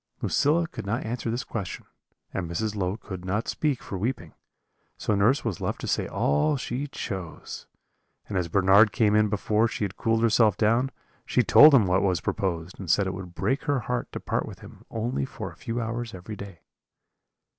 "Lucilla could not answer this question, and Mrs. Low could not speak for weeping; so nurse was left to say all she chose; and as Bernard came in before she had cooled herself down, she told him what was proposed, and said it would break her heart to part with him only for a few hours every day.